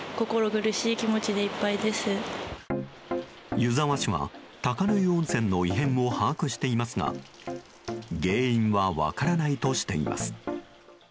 湯沢市は鷹の湯温泉の異変を把握していますが原因は分からないとしています。